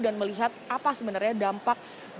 dan melihat apa sebenarnya dampak dan